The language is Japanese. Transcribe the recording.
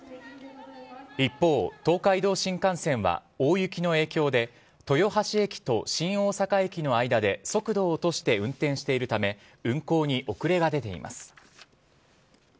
一方、東海道新幹線は大雪の影響で、豊橋駅と新大阪駅の間で速度を落として運転しているため、運行に遅れが出ています。